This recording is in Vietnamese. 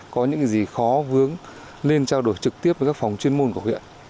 có những gì khó vướng nên trao đổi trực tiếp với các phòng chuyên môn của huyện